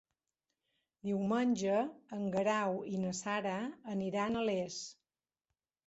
Diumenge en Guerau i na Sara aniran a Les.